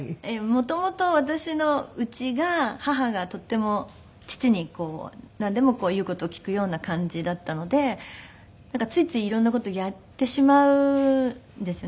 元々私の家が母がとっても父になんでも言う事を聞くような感じだったのでついつい色んな事をやってしまうんですよね。